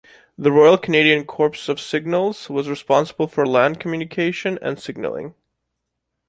The Royal Canadian Corps of Signals was responsible for land communication and signalling.